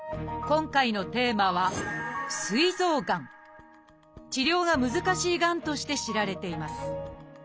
今回のテーマは治療が難しいがんとして知られています